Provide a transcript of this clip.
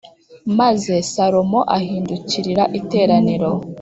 Maze salomo ahindukirira iteraniro